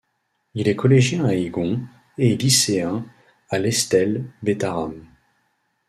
Il est collégien à Igon et lycéen à Lestelle-Bétharram.